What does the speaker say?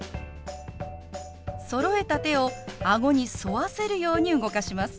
そろえた手を顎に沿わせるように動かします。